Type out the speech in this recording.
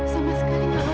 sama sekali gak ngelihat